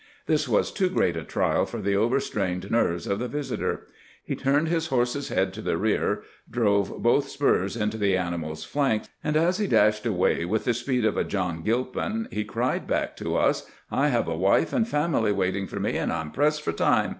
Tbis was too great a trial for tbe overstrained nerves of tbe visitor. He turned bis borse's bead to tbe rear, drove botb spurs into tbe ani mal's flanks, and as be dasbed away witb tbe speed of a Jobn Grilpin, be cried back to us : "I bave a wife and family waiting for me, and I 'm pressed for time.